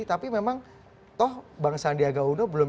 tapi memang toh bang sandiaga uno belum